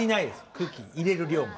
空気入れる量が。